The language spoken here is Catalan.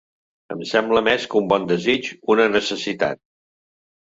Em sembla, més que un bon desig, una necessitat.